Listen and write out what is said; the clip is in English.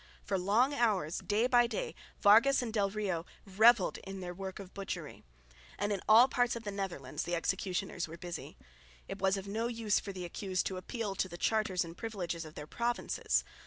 For long hours day by day Vargas and del Rio revelled in their work of butchery; and in all parts of the Netherlands the executioners were busy. It was of no use for the accused to appeal to the charters and privileges of their provinces.